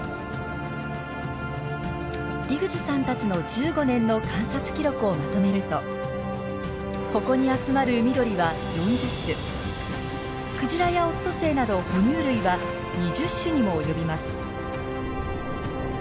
リグズさんたちの１５年の観察記録をまとめるとここに集まる海鳥は４０種クジラやオットセイなど哺乳類は２０種にも及びます。